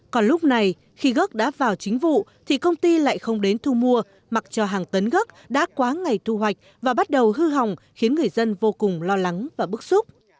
còn lúc này khi gốc đã vào chính vụ thì công ty lại không đến thu mua mặc cho hàng tấn gốc đã quá ngày thu hoạch và bắt đầu hư hỏng khiến người dân vô cùng lo lắng và bức xúc